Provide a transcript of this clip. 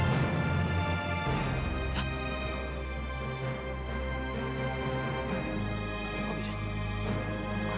ia akan laku doa ia pada setahun ini